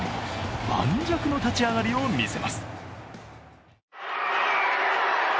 盤石の立ち上がりをみせます。